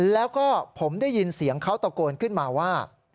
แล้วก็ผมได้ยินเสียงเขาตะโกนขึ้นมาว่า